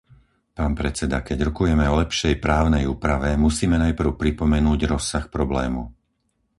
Pán predseda, keď rokujeme o lepšej právnej úprave, musíme najprv pripomenúť rozsah problému.